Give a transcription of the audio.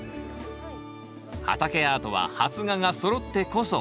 畑アートは発芽がそろってこそ。